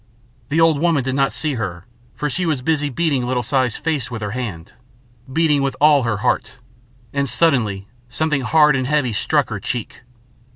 The old woman did not see her, for she was busy beating little Si's face with her hand, beating with all her heart, and suddenly something hard and heavy struck her cheek.